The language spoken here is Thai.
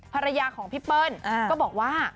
ภรรยาของพี่เปิ้ลก็บอกว่า